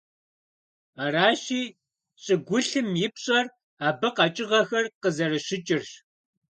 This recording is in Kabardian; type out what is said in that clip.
Аращи, щӀыгулъым и пщӀэр абы къэкӀыгъэхэр къызэрыщыкӀырщ.